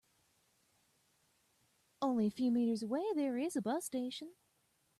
Only a few meters away there is a bus station.